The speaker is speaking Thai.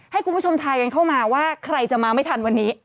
ให้คุณผู้ชมทายกันเข้ามาว่าใครจะมาไม่ทันวันนี้